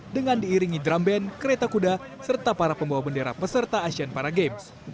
dengan diiringi drum band kereta kuda serta para pembawa bendera peserta asian para games